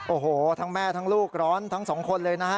โอ้โหทั้งแม่ทั้งลูกร้อนทั้งสองคนเลยนะฮะ